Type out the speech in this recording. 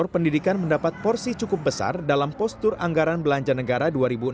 pendidikan mendapat porsi cukup besar dalam postur anggaran belanja negara dua ribu enam belas